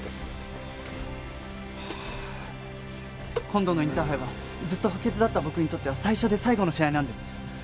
今度のインターハイはずっと補欠だった僕にとっては最初で最後の試合なんです。